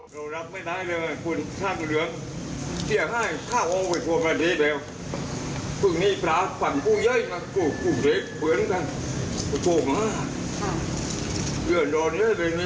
บอกไปจังหาอำเภออำเภอชาวงค์ได้มาหลับตัวกลับไป